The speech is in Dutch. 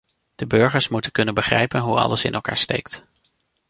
De burgers moeten kunnen begrijpen hoe alles in elkaar steekt.